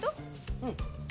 うん。